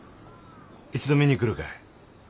一度見に来るかい？